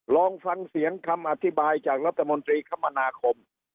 ลองฟังเสียงคำอธิบายจากรัฐมนตรีคมนาคม